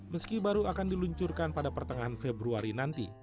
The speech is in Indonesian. meski baru akan diluncurkan pada pertengahan februari nanti